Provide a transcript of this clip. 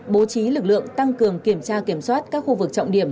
bố trí lực lượng tăng cường kiểm tra kiểm soát các khu vực trọng điểm